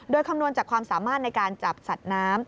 โดยคำนวณจากความสามารถในการจับสัตว์น้ำ